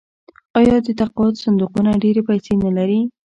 آیا د تقاعد صندوقونه ډیرې پیسې نلري؟